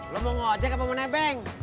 lo mau ngojek apa mau nebeng